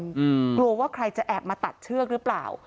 กลัวว่าใครจะแอบมาตัดเชือกหรือเปล่า